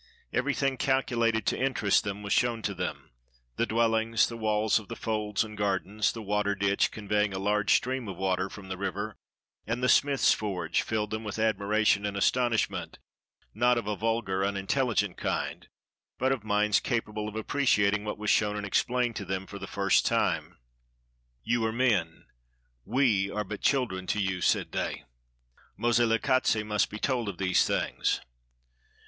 Everything calculated to interest them was shown to them : the dwellings, the walls of the folds and gardens, the water ditch, conveying a large stream of water from the river, and the smith's forge, filled them with admiration and astonishment, not of a vulgar, unintelligent kind, but of minds capableof appre ciating what was shown and explained to them for the * Robert Moffat, the well known missionary. 378 A VISIT TO KING MOSELEKATSE first time. "You are men; we are but children to you," said they. "Moselekatse must be told of these things."